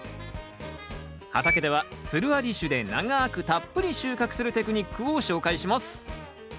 畑ではつるあり種で長くたっぷり収穫するテクニックを紹介します